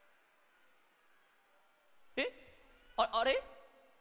えっ？あれ？